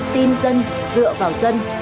tin dân dựa vào dân